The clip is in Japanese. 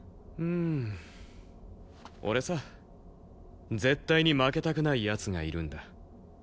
うーん俺さ絶対に負けたくない奴がいるんだ。